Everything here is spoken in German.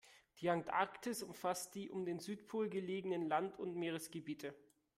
Die Antarktis umfasst die um den Südpol gelegenen Land- und Meeresgebiete.